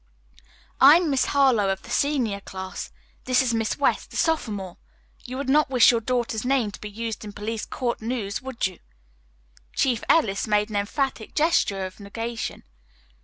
"I am Miss Harlowe of the senior class. This is Miss West, a sophomore. You would not wish your daughter's name to be used in police court news, would you?" Chief Ellis made an emphatic gesture of negation.